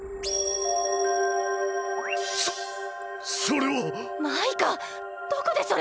そそれは！マイカどこでそれを！？